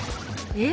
え？